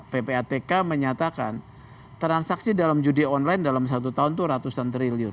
ppatk menyatakan transaksi dalam judi online dalam satu tahun itu ratusan triliun